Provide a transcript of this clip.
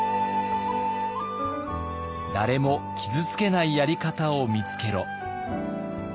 「誰も傷つけないやり方を見つけろ！」。